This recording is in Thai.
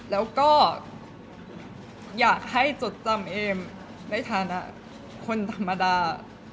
แล้วก็อยากให้จดจำเอมในฐานะคนธรรมดา